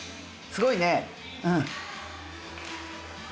すごいね。